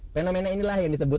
fenomena inilah yang disebut